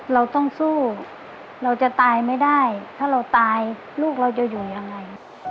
เราต้องสู้เราจะตายไม่ได้ถ้าเราตายลูกเราจะอยู่ยังไง